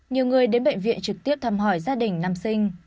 nhiều người đến bệnh viện trực tiếp thăm hỏi gia đình nam sinh